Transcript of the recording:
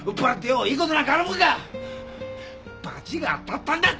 ばちが当たったんだよ！